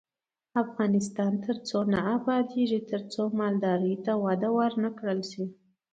افغانستان تر هغو نه ابادیږي، ترڅو مالدارۍ ته وده ورنکړل شي.